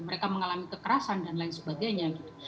mereka mengalami kekerasan dan lain sebagainya gitu